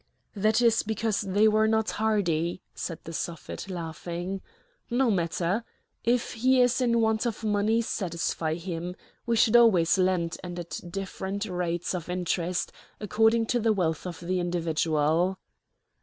"That is because they were not hardy," said the Suffet, laughing. "No matter! if he is in want of money, satisfy him! We should always lend, and at different rates of interest, according to the wealth of the individual."